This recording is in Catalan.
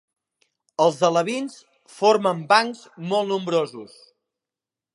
Els alevins formen bancs molt nombrosos.